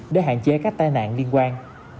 để hạn chế các tai nạn liên quan